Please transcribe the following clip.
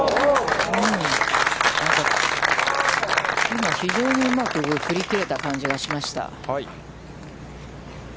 今、非常にうまく振り切れた感じがしました。